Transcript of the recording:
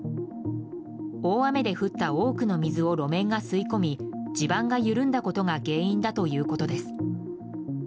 大雨で降った多くの水を路面が吸い込み地盤が緩んだことが原因だということです。